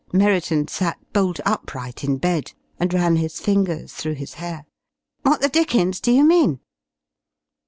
_" Merriton sat bolt upright in bed and ran his fingers through his hair. "What the dickens do you mean?"